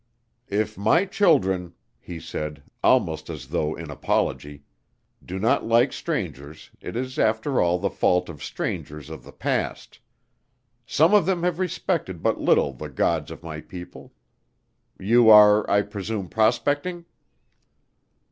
"If my children," he said, almost as though in apology, "do not like strangers, it is after all the fault of strangers of the past. Some of them have respected but little the gods of my people. You are, I presume, prospecting?"